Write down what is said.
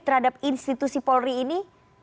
terhadap institusi polri ini